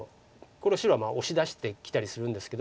これは白はオシ出してきたりするんですけど。